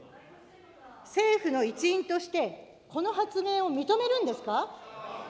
政府の一員として、この発言を認めるんですか。